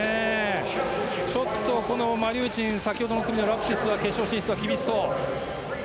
ちょっとマリューチンそして先ほどの組のラプシスは決勝進出は厳しそう。